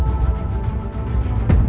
aku ingin menerima keadaanmu